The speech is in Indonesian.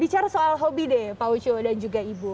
bicara soal hobi deh pak ucu dan juga ibu